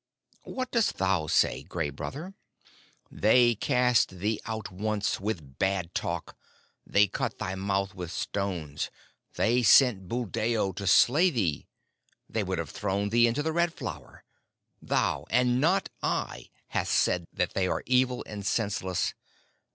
"What dost thou say, Gray Brother?" "They cast thee out once, with bad talk. They cut thy mouth with stones. They sent Buldeo to slay thee. They would have thrown thee into the Red Flower. Thou, and not I, hast said that they are evil and senseless.